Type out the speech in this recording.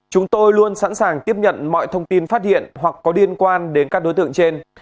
chúng tôi luôn sẵn sàng tiếp nhận mọi thông tin phát hiện hoặc có liên quan đến các đối tượng trên